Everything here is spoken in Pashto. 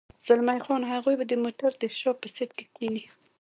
زلمی خان: هغوی به د موټر د شا په سېټ کې کېني.